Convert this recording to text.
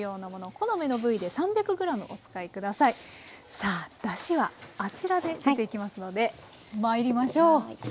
さあだしはあちらで出ていきますので参りましょう。